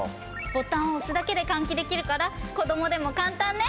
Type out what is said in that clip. ボタンを押すだけで換気できるから子供でも簡単ね。